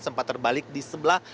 sempat terbalik di sebelah